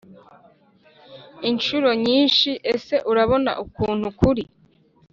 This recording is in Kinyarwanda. incuro nyinshi Ese urabona ukuntu kuri